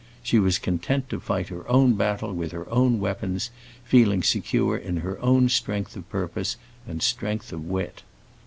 She was content to fight her own battle with her own weapons, feeling secure in her own strength of purpose and strength of wit.